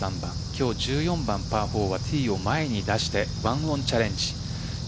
今日、１４番パー４はティーを前に出して１オンチャレンジ。